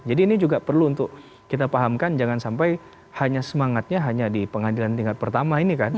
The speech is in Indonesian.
jadi ini juga perlu untuk kita pahamkan jangan sampai semangatnya hanya di pengadilan tingkat pertama ini kan